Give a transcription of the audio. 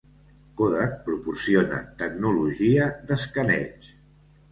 Kodak proporciona tecnologia d'escaneig.